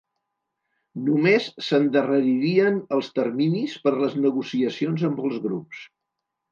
Només s’endarreririen els terminis per les negociacions amb els grups.